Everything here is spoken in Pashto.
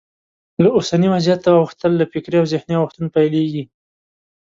له اوسني وضعیته اوښتل له فکري او ذهني اوښتون پیلېږي.